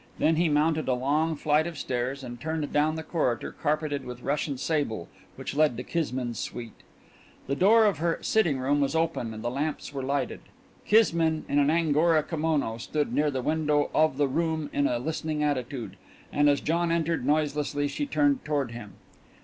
Then he mounted a long flight of stairs and turned down the corridor carpeted with Russian sable which led to Kismine's suite. The door of her sitting room was open and the lamps were lighted. Kismine, in an angora kimono, stood near the window of the room in a listening attitude, and as John entered noiselessly she turned toward him.